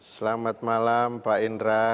selamat malam pak indra